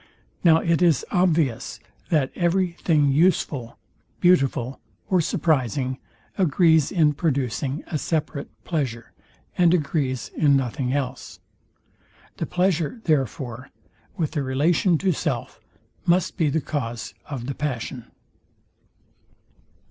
Now it is obvious, that every thing useful, beautiful or surprising, agrees in producing a separate pleasure and agrees in nothing else. The pleasure, therefore, with the relation to self must be the cause of the passion.